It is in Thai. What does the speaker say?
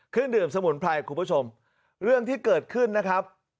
เครื่องดื่มสมุนไพรคุณผู้ชมเรื่องที่เกิดขึ้นนะครับ